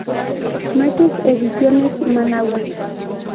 Matus Ediciones: Managua.